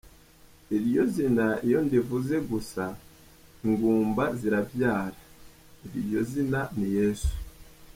Iryo zina iyo ndivuze gusa, ingumba zirabyara, iryo zina ni Yesu.